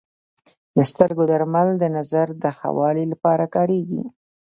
د سترګو درمل د نظر د ښه والي لپاره کارېږي.